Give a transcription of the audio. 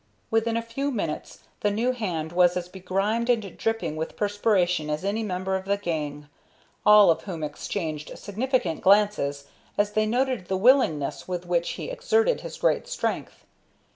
Within a few minutes the new hand was as begrimed and dripping with perspiration as any member of the gang, all of whom exchanged significant glances as they noted the willingness with which he exerted his great strength.